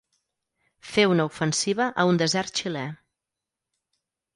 Fer una ofensiva a un desert xilè.